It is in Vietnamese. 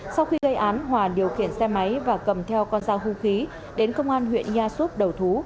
sau khi gây án hòa điều khiển xe máy và cầm theo con dao hung khí đến công an huyện nha xúc đầu thú